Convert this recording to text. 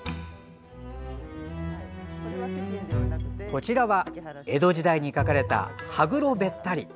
こちらは江戸時代に描かれた歯黒べったり。